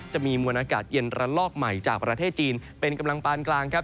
จะมีมวลอากาศเย็นระลอกใหม่จากประเทศจีนเป็นกำลังปานกลางครับ